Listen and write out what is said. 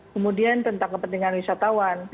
kemudian tentang kepentingan wisatawan